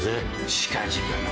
近々な。